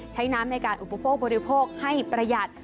ใช้น้ำในการอุปโภคบริโภคให้ประหยัด